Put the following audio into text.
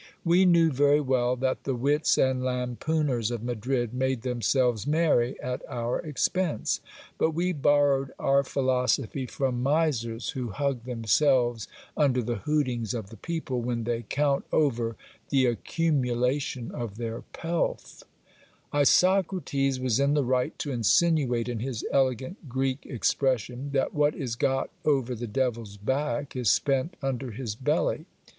We knew very well that the wits arid lampooners of Madrid made themselves merry at our expense; but we borrowed our philosophy from GIL BLAS KEEPS A SUMPTUOUS ESTABLISHMENT. 297 misers, who hug themselves under the hootings of the people, when they count over the accumulation of their pelf. Isocrates was in the right to insinuate, in his elegant Greek expression, that what is got over the devil's back is spent under his belly.